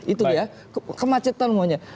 itu dia kemacetan maunya